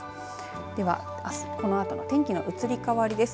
ではこのあとの天気の移り変わりです。